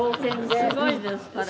すごいですから。